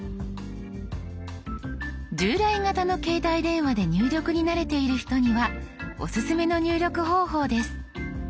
従来型の携帯電話で入力に慣れている人にはオススメの入力方法です。